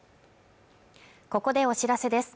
ここでお知らせです